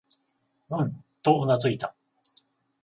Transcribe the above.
うん、とうなずいた。